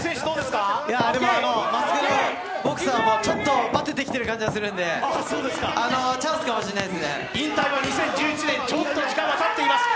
マスク・ド・ボクサーはちょっとバテてきてる感じがするんでチャンスかもしれないですね。